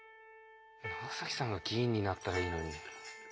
長さんが議員になったらいいのに。